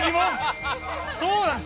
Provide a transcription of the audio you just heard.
そうなんです。